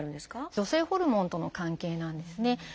女性ホルモンとの関係なんですね。